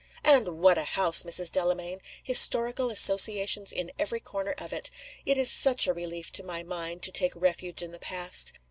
"And what a house, Mrs. Delamayn! Historical associations in every corner of it! It is such a relief to my mind to take refuge in the past.